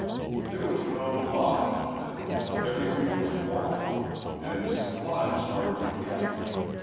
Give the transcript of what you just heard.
There was no Lodge, then; everything was wild, and supplies hard to get.